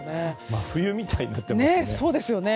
真冬みたいになってます。